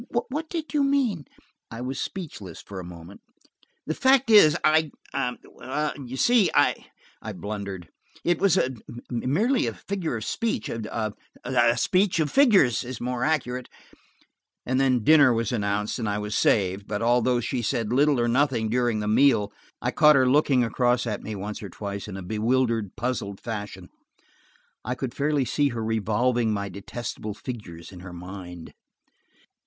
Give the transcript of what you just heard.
What did you mean?" I was speechless for a moment. "The fact is–I–you see," I blundered, "it was a–merely a figure of speech, a–speech of figures is more accurate,–" And then dinner was announced and I was saved. But although she said little or nothing during the meal, I caught her looking across at me once or twice in a bewildered, puzzled fashion. I could fairly see her revolving my detestable figures in her mind.